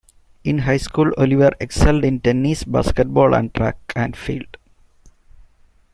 In high school, Oliver excelled in tennis, basketball, and track and field.